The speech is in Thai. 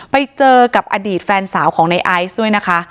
ไปเจอกับอดีตแฟนสาวของในไอซ์ด้วยนะคะ